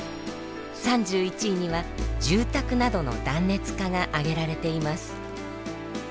３１位には「住宅などの断熱化」が上げられています。